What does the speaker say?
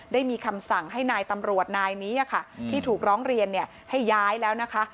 ได้มีคำสั่งให้นายตำรวจนายนี้ที่ถูกร้องเรียนให้ย้ายแล้วนะคะ